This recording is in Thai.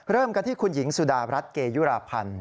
เริ่มกันที่คุณหญิงสุดารัฐเกยุราพันธ์